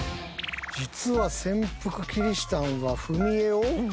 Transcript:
実は潜伏キリシタンは踏絵を。